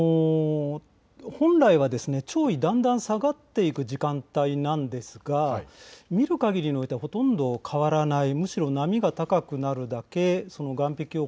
本来は潮位、だんだん下がっていく時間帯なんですが見るかぎりにおいてはほとんど変わらない。